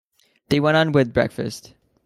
They went on with breakfast.